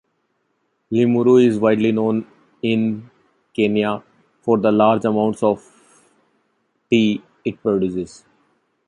Limuru is widely known in Kenya for the large amounts of tea it produces.